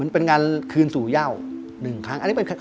เป็นงานคืนสู่เย่า๑ครั้ง